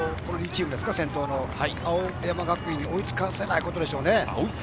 青山学院に追いつかせないことでしょうね。